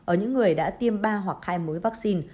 ở những người đã tiêm ba hoặc hai mối vaccine